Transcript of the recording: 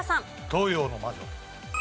東洋の魔女。